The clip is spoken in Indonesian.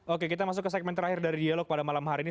oke kita masuk ke segmen terakhir dari dialog pada malam hari ini